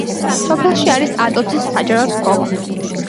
სოფელში არის ატოცის საჯარო სკოლა.